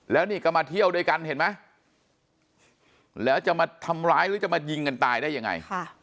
แล้วนี่ก็มาเที่ยวด้วยกันเห็นไหมแล้วจะมาทำร้ายหรือจะมายิงกันตายได้ยังไง